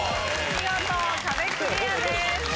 見事壁クリアです。